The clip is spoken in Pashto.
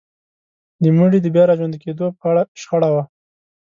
د مړي د بيا راژوندي کيدو په اړه شخړه وه.